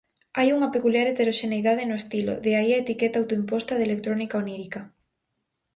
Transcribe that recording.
Hai unha peculiar heteroxeneidade no estilo, de aí a etiqueta autoimposta de electrónica onírica.